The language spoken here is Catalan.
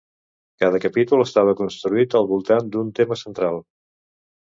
Cada capítol estava construït al voltant d'un tema central.